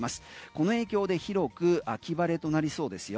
この影響で広く秋晴れとなりそうですよ。